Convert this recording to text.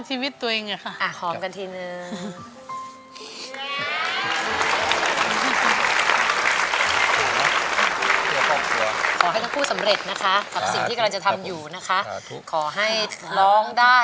ขอให้ร้องด้านผู้ทุกข์ไว้นะคะ